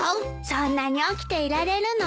そんなに起きていられるの？